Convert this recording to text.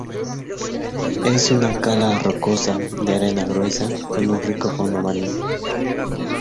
Es una cala rocosa, de arena gruesa, con un rico fondo marino.